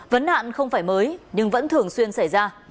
vấn nạn không phải mới nhưng vẫn thường xuyên xảy ra